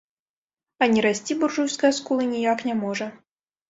А не расці буржуйская скула ніяк не можа.